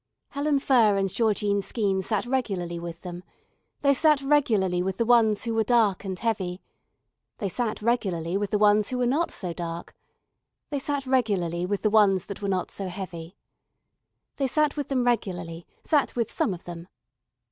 Helen Furr and Georgine Skeene sat regularly with them. They sat regularly with the ones who were dark and heavy. They sat regularly with the ones who were not so dark. They sat regularly with the ones that were not so heavy. They sat with them regularly, sat with some of them.